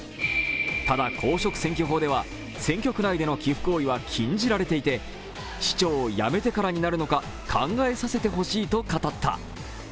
ただ、公職選挙法では選挙区内での寄付行為は禁じられていて市長を辞めてからになるのか考えさせてほしいと語った。